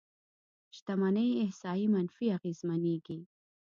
شتمنۍ احصایې منفي اغېزمنېږي.